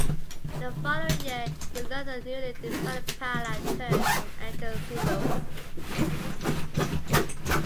The following year, he learned the newly developed parallel turn from Anton Seelos.